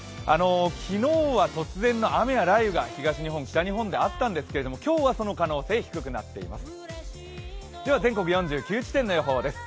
昨日は突然の雨や雷雨が東日本、西日本でもあったんですが今日は、その可能性は低くなっています。